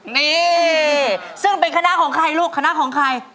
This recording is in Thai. นี่ซึ่งเป็นคณะของใครลูกคณะของใคร